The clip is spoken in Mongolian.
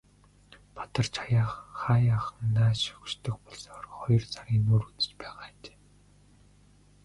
Бадарч хааяахан нааш шогшдог болсоор хоёр сарын нүүр үзэж байгаа ажээ.